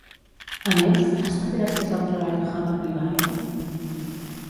A més, ha estat gràcies al treball de Hutton i Lyell?